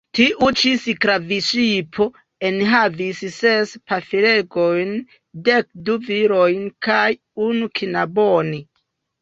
Tiu-ĉi sklavŝipo enhavis ses pafilegojn, dekdu virojn kaj unu knabon.